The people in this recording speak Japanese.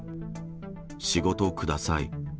仕事ください。